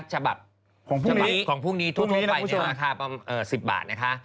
ฉบับของพุกนี้ทั่วไปเนี่ยภาคา๑๐บาทนะคะ